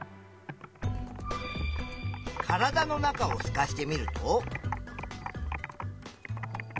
体の中をすかしてみると？